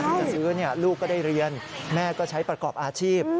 จะซื้อลูกก็ได้เรียนแม่ก็ใช้ประกอบอาชีพ